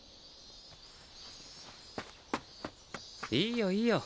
いいよいいよ。